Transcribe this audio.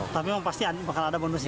tapi memang pasti akan ada bonus ya